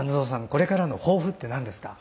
これからの抱負って何ですか？